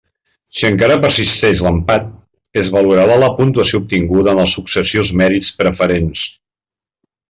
Si encara persisteix l'empat, es valorarà la puntuació obtinguda en els successius mèrits preferents.